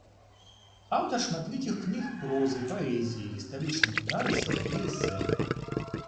Аўтар шматлікіх кніг прозы, паэзіі, гістарычных нарысаў і эсэ.